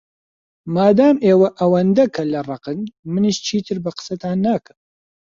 مادام ئێوە ئەوەندە کەللەڕەقن، منیش چیتر بە قسەتان ناکەم.